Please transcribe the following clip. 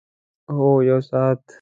هو، یوه ساعت